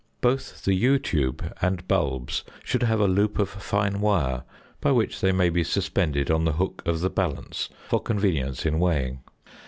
Both the ~U~ tube and bulbs should have a loop of fine wire, by which they may be suspended on the hook of the balance for convenience in weighing.